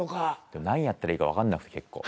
何やったらいいかわかんなくて結構。